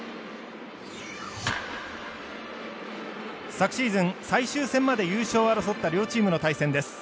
昨シーズン、最終戦まで優勝を争った両チームの対戦です。